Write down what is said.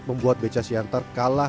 membuat beca siantar berkembang ke jepang